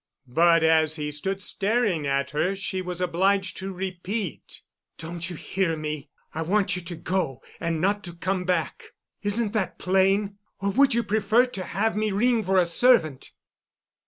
But as he stood staring at her she was obliged to repeat: "Don't you hear me? I want you to go and not to come back. Isn't that plain? Or would you prefer to have me ring for a servant?"